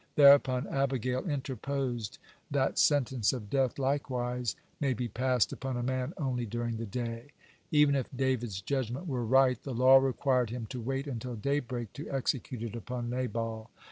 Thereupon Abigail interposed, that sentence of death likewise may be passed upon a man only during the day. Even if David's judgment were right, the law required him to wait until daybreak to execute it upon Nabal.